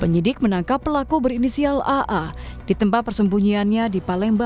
penyidik menangkap pelaku berinisial aa di tempat persembunyiannya di palembang